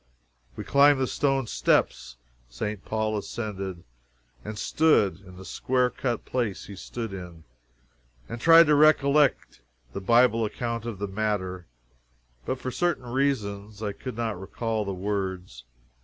We climbed the stone steps St. Paul ascended, and stood in the square cut place he stood in, and tried to recollect the Bible account of the matter but for certain reasons, I could not recall the words.